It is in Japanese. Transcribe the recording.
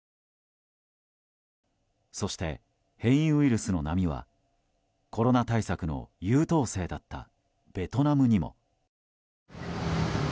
そして、変異ウイルスの波はコロナ対策の優等生だったベトナムにも。